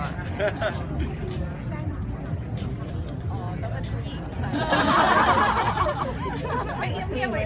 แม่กับผู้วิทยาลัย